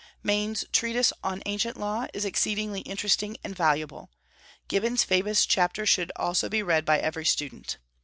Maine's Treatise on Ancient Law is exceedingly interesting and valuable. Gibbon's famous chapter should also be read by every student.